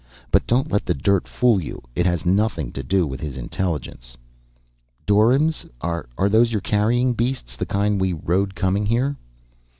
But don't let the dirt fool you, it has nothing to do with his intelligence." "Doryms? Are those your carrying beasts the kind we rode coming here?"